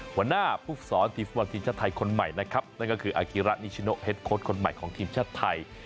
หัวหน้าผู้สอนทีมฟุตบอลทีมชาติไทยคนใหม่นะครับนั่นก็คืออากิระนิชิโนเฮ็ดโค้ดคนใหม่ของทีมชาติไทย